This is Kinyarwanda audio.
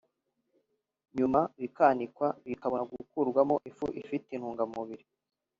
nyuma bikanikwa bikabona gukorwamo ifu ifite intungamubiri